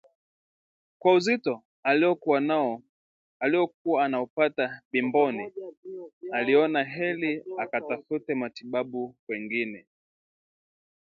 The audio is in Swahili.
Kwa uzito aliokuwa anaupata Bi Mboni aliona heri akatafute matibabu kwengine